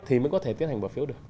thì mới có thể tiến hành bỏ phiếu được